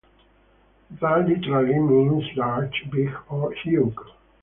Da literally means large, big or huge.